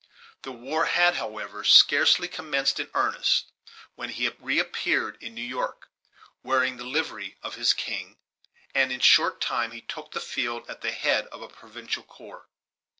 The war had, however, scarcely commenced in earnest, when he reappeared in New York, wearing the Livery of his king; and, in a short time, he took the field at the head of a provincial corps.